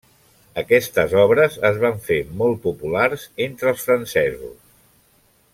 Aquestes obres es van fer molt populars entre els francesos.